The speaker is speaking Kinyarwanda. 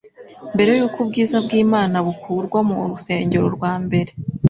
Mbere y'uko ubwiza bw'Imana bukurwa mu rusengero rwa mbere,